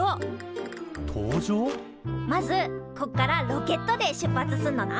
まずこっからロケットで出発すんのな。